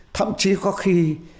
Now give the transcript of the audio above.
thậm chí có khi